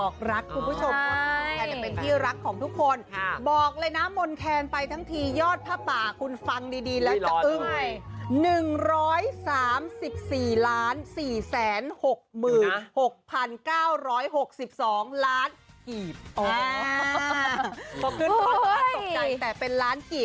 ขอบคุณครับสงสัยแต่เป็นล้านกลีบ